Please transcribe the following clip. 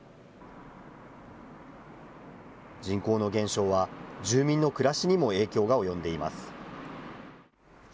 人口の減少は、住民の暮らしにも影響が及んでいます。